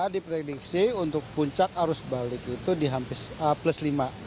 diprediksi untuk puncak arus balik itu di hampir plus lima